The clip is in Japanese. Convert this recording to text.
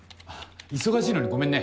忙しいのにごめんね。